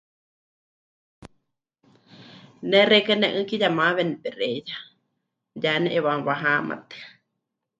Ne xeikɨ́a ne'ɨkiya mawe nepexeiya ya ne'iwaáma wahamatɨa.